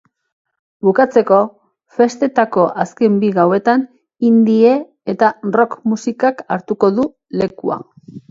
Bukatzeko, festetako azken bi gauetan indie eta rock musikak hartuko du lekua.